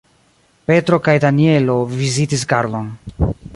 Petro kaj Danjelo vizitis Karlon.